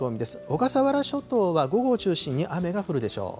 小笠原諸島は午後を中心に雨が降るでしょう。